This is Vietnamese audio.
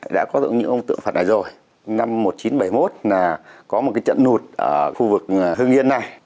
đã có được những ông tượng phật ở đây đều làm bằng đất xét